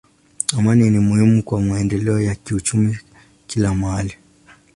Amani ni muhimu kwa maendeleo ya uchumi kila mahali.